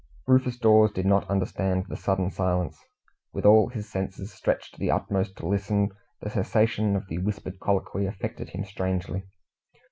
Rufus Dawes did not understand the sudden silence. With all his senses stretched to the utmost to listen, the cessation of the whispered colloquy affected him strangely.